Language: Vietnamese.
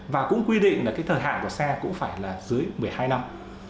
và cũng quy định là cái thời hạn của xe cũng phải là dưới một mươi hai năm